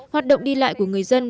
hoạt động đi lại của người dân